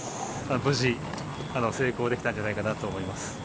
無事成功できたんじゃないかなと思います。